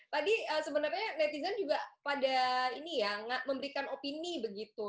tadi sebenarnya netizen juga pada memberikan opini begitu